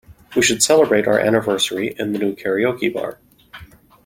We should celebrate our anniversary in the new karaoke bar.